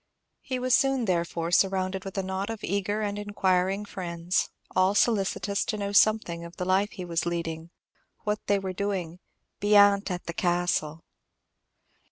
He was soon, therefore, surrounded with a knot of eager and inquiring friends, all solicitous to know something of the life he was leading, what they were doing "beyant at the Castle."